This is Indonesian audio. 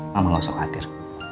mama gak usah khatir